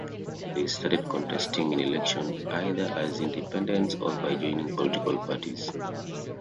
They started contesting in elections either as independents or by joining political parties.